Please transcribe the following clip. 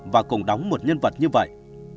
và cùng đóng một nhân vật như vậy